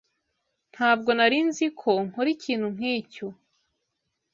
Ntabwo narinzi ko nkora ikintu nkicyo.